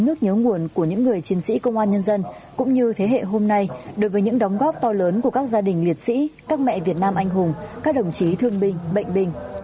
thứ trưởng nguyễn văn sơn đã gửi tặng hơn hai trăm linh suất quà cho mẹ việt nam anh hùng và gia đình chính sách tại huyện hòa vang thành phố đà nẵng và huyện bắc trà my tỉnh quảng nam